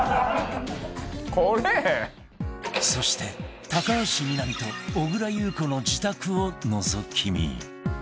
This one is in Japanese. そして高橋みなみと小倉優子の自宅をのぞき見